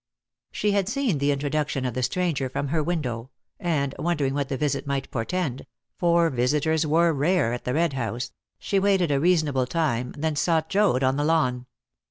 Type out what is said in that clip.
She had seen the introduction of the stranger from her window, and, wondering what the visit might portend for visitors were rare at the Red House she waited a reasonable time, then sought Joad on the lawn.